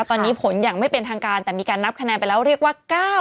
ตอนนี้ผลอย่างไม่เป็นทางการแต่มีการนับคะแนนไปแล้วเรียกว่า